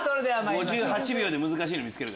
５８秒で難しいの見つける。